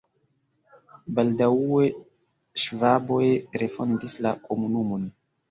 Baldaŭe ŝvaboj refondis la komunumon.